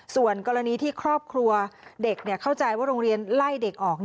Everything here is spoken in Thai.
ส่วนกรณีที่ครอบครัวเด็กเข้าใจว่าโรงเรียนไล่เด็กออก